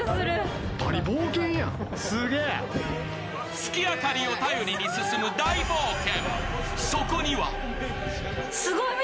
月明かりを頼りに進む大冒険。